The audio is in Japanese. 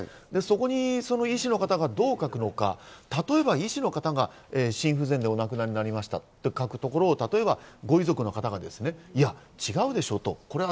そこに医師の方がどう書くのか、例えば医師の方が心不全でお亡くなりになりましたと書くところを、例えば、ご遺族の方が、いや違うでしょうと。